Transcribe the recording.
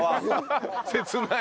切ない！